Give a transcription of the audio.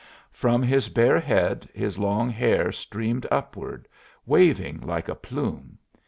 From his bare head his long hair streamed upward, waving like a plume.